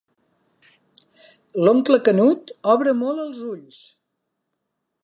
L'oncle Canut obre molt els ulls.